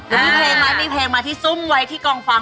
แล้วมีเพลงไหมมีเพลงมาที่ซุ่มไว้ที่กองฟัง